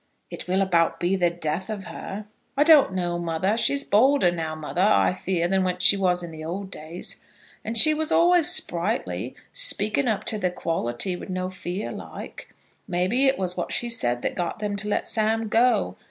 "It will about be the death of her." "I don't know, mother. She's bolder now, mother, I fear, than what she was in old days. And she was always sprightly, speaking up to the quality, with no fear like. Maybe it was what she said that got them to let Sam go.